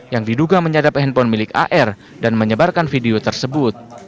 yang diduga menyadap handphone milik ar dan menyebarkan video tersebut